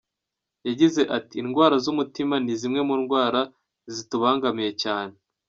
Yagize ati “Indwara z’umutima ni zimwe mu ndwara zitubangamiye cyane.